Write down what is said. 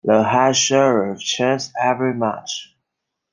The High Sheriff changes every March.